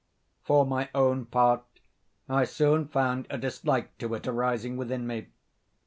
For my own part, I soon found a dislike to it arising within me.